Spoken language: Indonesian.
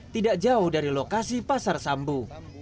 tidak jauh dari lokasi pasar sambu